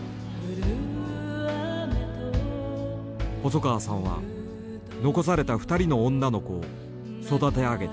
細川さんは残された２人の女の子を育て上げた。